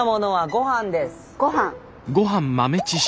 ごはん。